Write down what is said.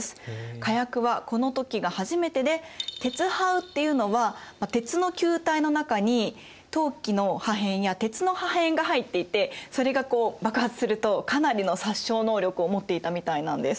火薬はこの時が初めてでてつはうっていうのは鉄の球体の中に陶器の破片や鉄の破片が入っていてそれがこう爆発するとかなりの殺傷能力を持っていたみたいなんです。